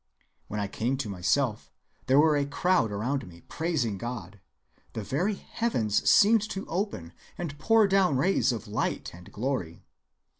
When I came to myself, there were a crowd around me praising God. The very heavens seemed to open and pour down rays of light and glory.